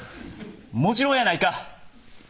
「もちろんやないか」